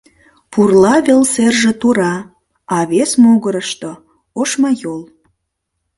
Пурла вел серже тура, а вес могырышто — ошмайол.